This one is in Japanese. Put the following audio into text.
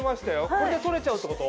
これで撮れちゃうってこと？